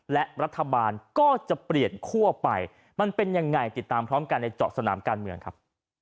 และรัฐบาลก็จะเปลี่ยนคั่วไปมันเป็นยังไงติดตามพร้อมกันในเจาะสนามการเมืองครับ